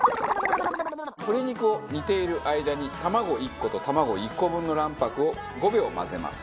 鶏肉を煮ている間に卵１個と卵１個分の卵白を５秒混ぜます。